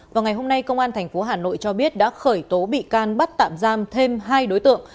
vào ngày hôm nay công an tp hà nội cho biết đã khởi tố bị can bắt tạm giam thêm hai đối tượng